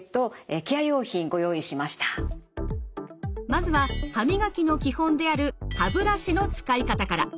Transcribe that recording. まずは歯磨きの基本である歯ブラシの使い方から。